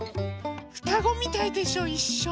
ふたごみたいでしょいっしょ。